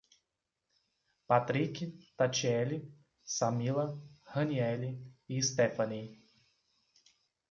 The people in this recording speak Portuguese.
Patric, Tatiele, Samila, Raniele e Stephanie